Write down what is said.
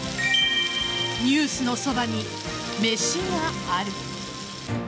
「ニュースのそばに、めしがある。」